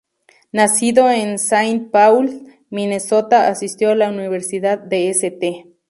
Nacido en Saint Paul, Minnesota, asistió a la Universidad de St.